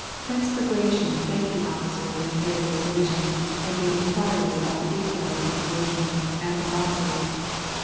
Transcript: Prince Bagration thanked the officei*s of the various divisions, and made inquiries about the details of the engagement, and the losses.